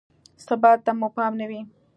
ثبات ته مو پام نه وي.